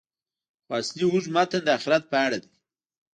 خو اصلي اوږد متن د آخرت په اړه دی.